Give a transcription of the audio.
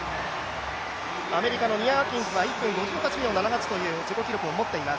アメリカのニア・アキンズ選手は１分５８秒７８という自己記録を持っています。